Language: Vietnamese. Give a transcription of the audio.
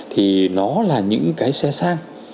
thì nó là những cái xe sang